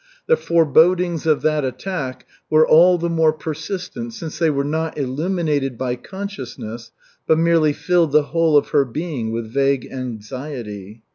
The forebodings of that attack were all the more persistent since they were not illuminated by consciousness, but merely filled the whole of her being with vague anxiety.